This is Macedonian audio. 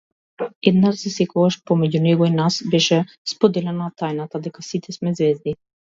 Еднаш засекогаш, помеѓу него и нас, беше споделена тајната дека сите сме ѕвезди.